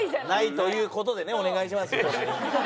ないという事でねお願いしますよ。